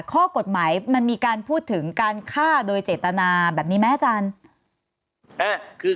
ข้อกฎหมายมันมีการพูดถึงการฆ่าโดยเจตนาแบบนี้ไหมอาจารย์